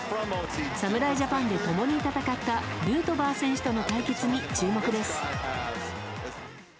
侍ジャパンで共に戦ったヌートバー選手との対決に注目です。